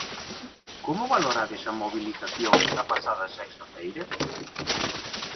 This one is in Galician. Como valorades a mobilización da pasada sexta feira?